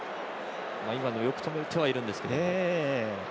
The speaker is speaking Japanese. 今のよく止めてはいるんですけど。